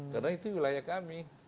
karena itu wilayah kami